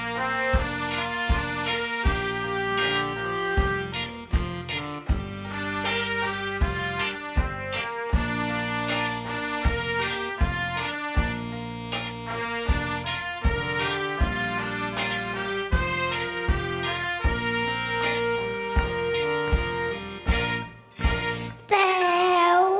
แก้วจ้า